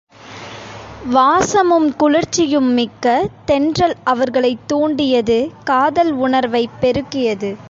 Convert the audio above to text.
வாசமும் குளிர்ச்சியும் மிக்க தென்றல் அவர்களைத் தூண்டியது காதல் உணர்வைப் பெருக்கியது.